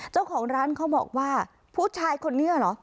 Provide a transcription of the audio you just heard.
เจ้าของร้านเขาบอกว่าผู้ชายคนนี้เหรอ